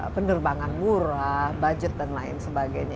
penerbangan murah budget dan lain sebagainya